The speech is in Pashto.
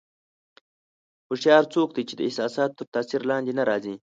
هوښیار څوک دی چې د احساساتو تر تاثیر لاندې نه راځي.